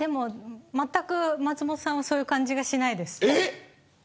まったく、松本さんはそういう感じがしないです。